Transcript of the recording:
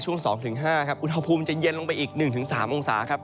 อุณหภูมิจะเย็นลงไปอีก๑๓องศา